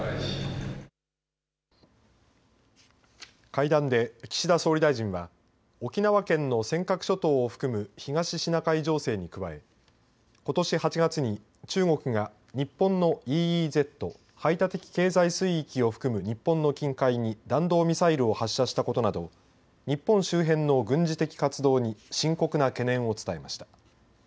会談で岸田総理大臣は沖縄県の尖閣諸島を含む東シナ海情勢に加えことし８月に中国が日本のＥＥＺ排他的経済水域を含む日本の近海に弾道ミサイルを発射したことなど日本周辺の軍事的活動に深刻な懸念を伝えました。